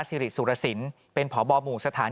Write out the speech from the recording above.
ปี๖๕วันเช่นเดียวกัน